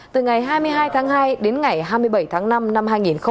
từ ngày hai mươi hai tháng hai đến ngày hai mươi bảy tháng năm năm hai nghìn hai mươi